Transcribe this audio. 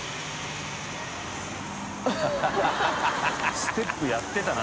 ステップやってたな。